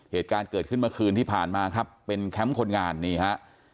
เหตุการณ์เกิดขึ้นเมื่อคืนที่ผ่านมาครับเป็นแคมป์คนงานนี่ฮะ